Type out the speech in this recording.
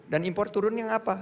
dan impor turun yang apa